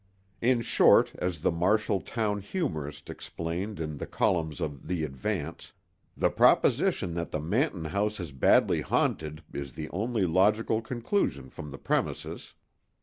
In short, as the Marshall town humorist explained in the columns of the Advance, "the proposition that the Manton house is badly haunted is the only logical conclusion from the premises."